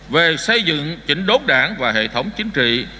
về xây dựng chỉnh đốt đảng và hệ thống chính trị